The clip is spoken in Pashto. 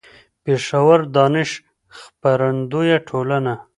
. پېښور: دانش خپرندويه ټولنه